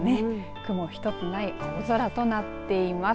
雲一つない青空となっています。